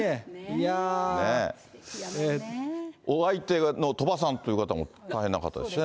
お相手の鳥羽さんという方も、大変な方ですね。